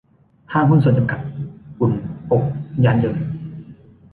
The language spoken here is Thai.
ห้างหุ้นส่วนจำกัด อุ่นอกยานยนต์